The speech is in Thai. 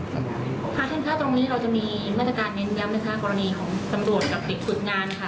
เราจะมีมาตรการเน้นย้ำนะครับกรณีของตำรวจกับเด็กสุดงานค่ะ